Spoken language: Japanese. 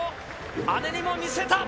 姉にも見せた。